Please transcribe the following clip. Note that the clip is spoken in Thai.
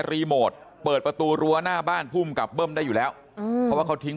รีโมทเปิดประตูรั้วหน้าบ้านภูมิกับเบิ้มได้อยู่แล้วเพราะว่าเขาทิ้ง